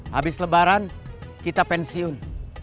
habis lebaran kita pensiun